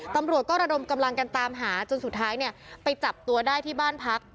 ตำรวจก็ระดมกำลังกันตามหาจนสุดท้ายเนี่ยไปจับตัวได้ที่บ้านพัก